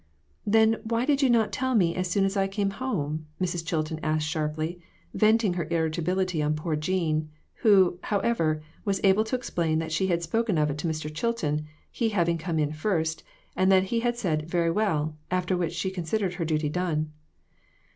"Then, why did you not tell me as soon as I came home?" Mrs. Chilton asked sharply, vent ing her irritability on poor Jean, who, however, was able to explain that she had spoken of it to Mr. Chilton, he having come in first, and that he had said "very well," after which, she considered her duty done.